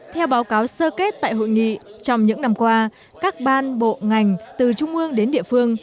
theo báo cáo sơ kết tại hội nghị trong những năm qua các ban bộ ngành từ trung ương đến địa phương